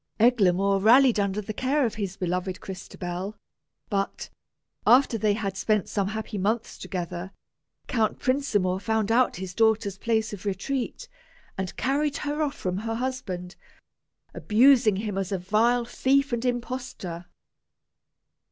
Eglamour rallied under the care of his beloved Crystabell; but, after they had spent some happy months together, Count Prinsamour found out his daughter's place of retreat, and carried her off from her husband, abusing him as a vile thief and imposter.